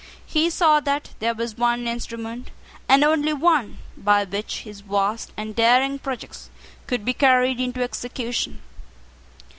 He saw that there was one instrument, and only one, by which his vast and daring projects could be carried into execution.